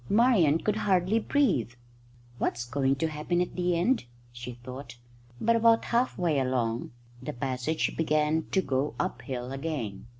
Marian could hardly breathe. "What's going to happen at the end?" she thought. But about half way along the passage began to go uphill again.